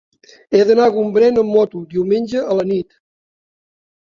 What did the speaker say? He d'anar a Gombrèn amb moto diumenge a la nit.